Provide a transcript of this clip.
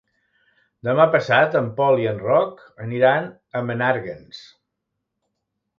Demà passat en Pol i en Roc aniran a Menàrguens.